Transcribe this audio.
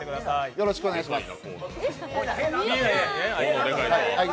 よろしくお願いします。